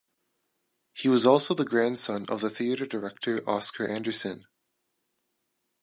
He was also the grandson of the theater director Oscar Andersson.